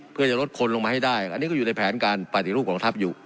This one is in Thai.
เพื่อจะลดคนลงมาให้ได้อันนี้ก็อยู่ในแผนการปฏิรูปกองทัพอยู่